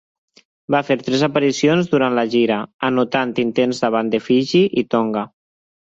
Va fer tres aparicions durant la gira, anotant intents davant de Fiji i Tonga.